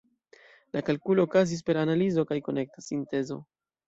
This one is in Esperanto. La kalkulo okazis per analizo kaj konekta sintezo.